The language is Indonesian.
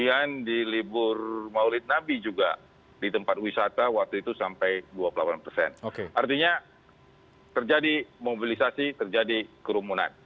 artinya terjadi mobilisasi terjadi kerumunan